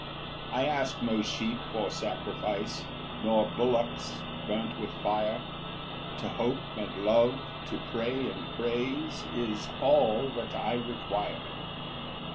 2 "I ask no sheep for sacrifice, "Nor bullocks burnt with fire; "To hope and love, to pray and praise, "Is all that I require.